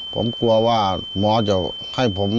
ผมกลัวว่าหมอจะให้ผม